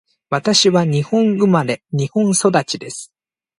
私は日本生まれ、日本育ちです。